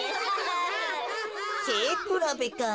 せいくらべか。